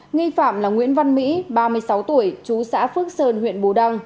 nghi phạm là nguyễn văn mỹ ba mươi sáu tuổi chú xã phước sơn huyện bù đăng